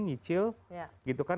nyicil gitu kan